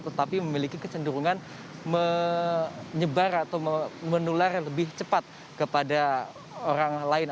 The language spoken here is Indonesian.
tetapi memiliki kecenderungan menyebar atau menular lebih cepat kepada orang lain